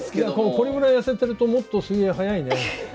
これぐらい痩せてるともっと水泳速いね。